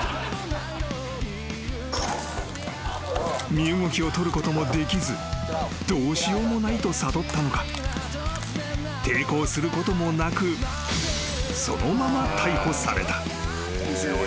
［身動きを取ることもできずどうしようもないと悟ったのか抵抗することもなくそのまま］